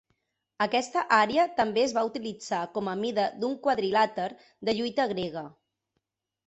Aquesta àrea també es va utilitzar com a mida d'un quadrilàter de lluita grega.